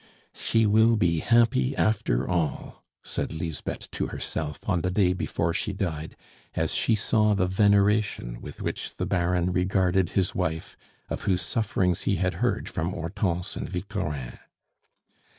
"She will be happy after all," said Lisbeth to herself on the day before she died, as she saw the veneration with which the Baron regarded his wife, of whose sufferings he had heard from Hortense and Victorin.